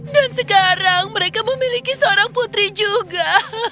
dan sekarang mereka memiliki seorang putri juga